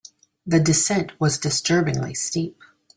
The descent was disturbingly steep.